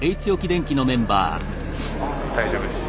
大丈夫です。